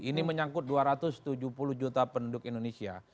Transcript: ini menyangkut dua ratus tujuh puluh juta penduduk indonesia